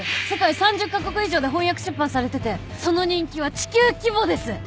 世界３０カ国以上で翻訳出版されててその人気は地球規模です！